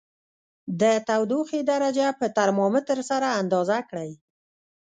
د تودوخې درجه په ترمامتر سره اندازه کړئ.